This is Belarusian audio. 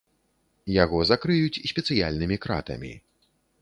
Яго закрыюць спецыяльнымі кратамі.